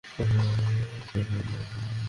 ওটা আপনাআপনি হেঁটে চলে যেতে পারে না!